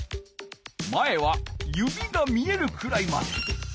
前は指が見えるくらいまで。